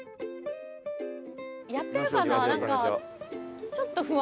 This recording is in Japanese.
やってるか？